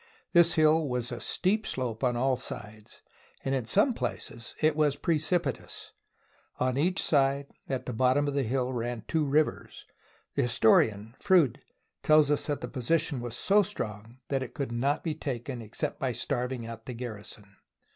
This hill was a steep slope on all sides, and in some places it was precipitous. On each side, at the bottom of the hill ran two rivers. The historian, Froude, tells us that the position was so strong that it could not be taken except by starving out the gar rison.